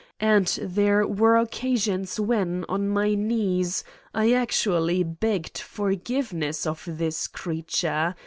And there were occasions when, on my knees, I actually begged forgiveness of this creature